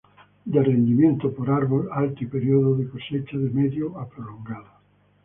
De rendimiento por árbol alto y periodo de cosecha de medio a prolongado.